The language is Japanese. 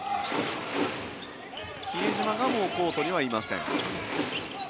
比江島がもうコートにはいません。